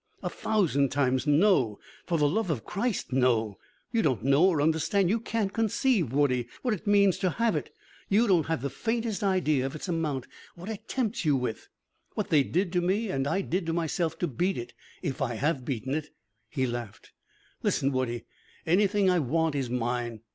A thousand times no. For the love of Christ no! You don't know or understand, you can't conceive, Woodie, what it means to have it. You don't have the faintest idea of its amount what it tempts you with what they did to me and I did to myself to beat it if I have beaten it." He laughed. "Listen, Woodie. Anything I want is mine.